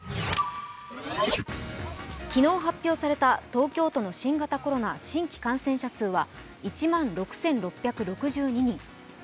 昨日発表された東京都の新型コロナ新規感染者数は１万６６６２人。